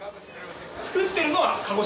作ってるのは鹿児島。